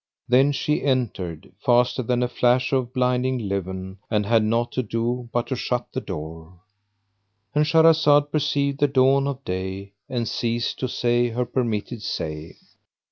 Then she entered, faster than a flash of blinding leven, and had naught to do but to shut the door. And Shahrazed perceived the dawn of day and ceased to say her permitted say.